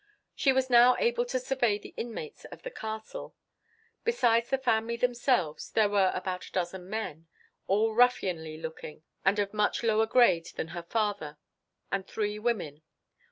She was now able to survey the inmates of the castle. Besides the family themselves, there were about a dozen men, all ruffianly looking, and of much lower grade than her father, and three women.